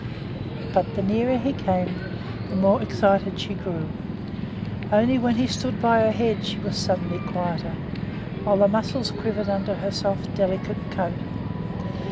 But the nearer he came, the more excited she grew. Only when he stood by her head, she was suddenly quieter, while the muscles quivered under her soft, delicate coat.